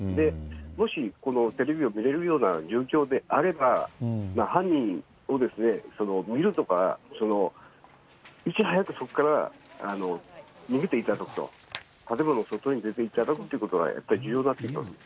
もしテレビを見れるような状況であれば、犯人を見るとか、いち早くそこから逃げていただくと、建物の外に出ていただくということが、やっぱり重要になってきます。